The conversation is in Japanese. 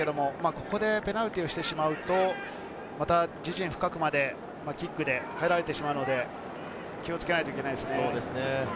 ここでペナルティーをしてしまうと、自陣深くまでキックで入られてしまうので、気を付けないといけないですね。